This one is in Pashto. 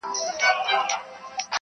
ګړی وروسته نه بادونه نه باران وو -